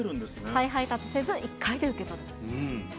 再配達せず、１回で受け取る。